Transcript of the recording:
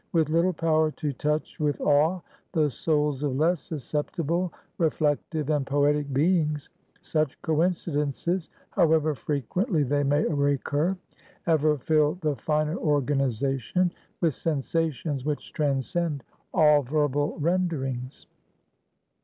With little power to touch with awe the souls of less susceptible, reflective, and poetic beings, such coincidences, however frequently they may recur, ever fill the finer organization with sensations which transcend all verbal renderings.